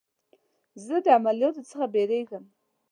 زه د عملیات څخه بیریږم.